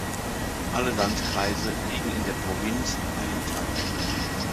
Alle Landkreise liegen in der Provinz Ayutthaya.